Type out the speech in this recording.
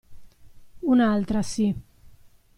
Un'altra, sì.